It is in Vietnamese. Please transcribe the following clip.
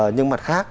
nhưng mặt khác